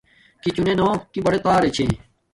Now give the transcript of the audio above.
کݵ چُنݺ نݸ کݵ بَڑݺ تݳرݺ چھݺ.